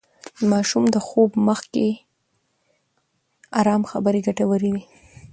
د ماشوم د خوب مخکې ارام خبرې ګټورې دي.